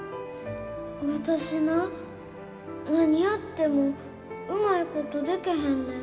私な、何やってもうまいことでけへんねん。